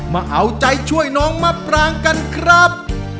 มาเอาใจช่วยน้องมะปรางกันครับ